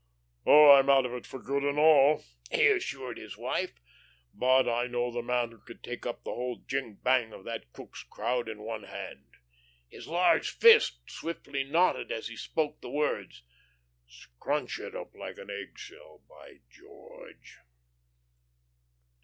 "Oh, I'm out of it for good and all," he assured his wife. "But I know the man who could take up the whole jing bang of that Crookes crowd in one hand and" his large fist swiftly knotted as he spoke the words "scrunch it up like an eggshell, by George."